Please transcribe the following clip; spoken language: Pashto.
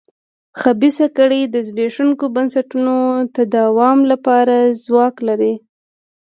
خبیثه کړۍ د زبېښونکو بنسټونو تداوم لپاره ځواک لري.